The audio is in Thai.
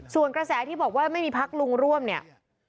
ส่วนกระแสที่บอกว่าไม่มีพักลุงร่วมเนี่ย